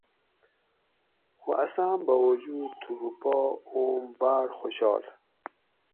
خو اساٞں باوجود تھُکو پا اوم باٞر خوشال